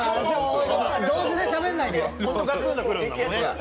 同時でしゃべらないで。